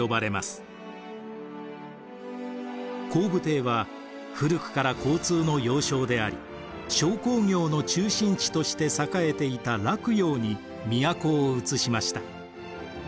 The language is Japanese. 光武帝は古くから交通の要衝であり商工業の中心地として栄えていた洛陽に都を移しました。